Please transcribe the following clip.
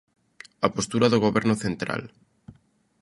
A postura do Goberno Central